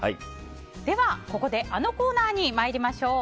では、ここであのコーナーに参りましょう。